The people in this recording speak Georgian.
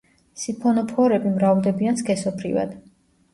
სიფონოფორები მრავლდებიან სქესობრივად.